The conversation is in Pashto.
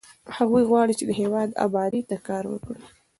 هغوی غواړي چې د هېواد ابادۍ ته کار وکړي.